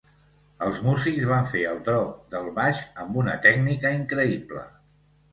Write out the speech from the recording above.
Els músics van fer el "drop" del baix amb una tècnica increïble.